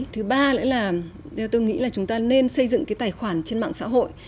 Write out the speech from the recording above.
thứ ba nữa là theo tôi nghĩ là chúng ta nên xây dựng cái tài khoản trên mạng xã hội